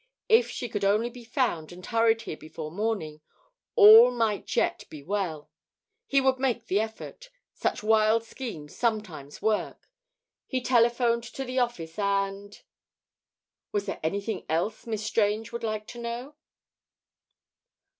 If she could only be found and hurried here before morning, all might yet be well. He would make the effort. Such wild schemes sometimes work. He telephoned to the office and Was there anything else Miss Strange would like to know?